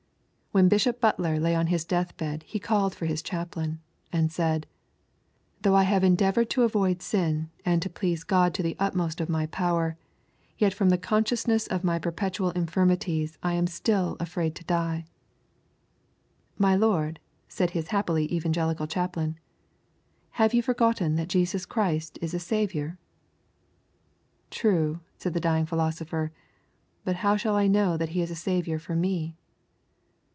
When Bishop Butler lay on his deathbed he called for his chaplain, and said, 'Though I have endeavoured to avoid sin, and to please God to the utmost of my power, yet from the consciousness of my perpetual infirmities I am still afraid to die.' 'My lord,' said his happily evangelical chaplain, 'have you forgotten that Jesus Christ is a Saviour?' 'True,' said the dying philosopher, 'but how shall I know that He is a Saviour for me?'